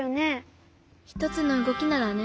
ひとつのうごきならね。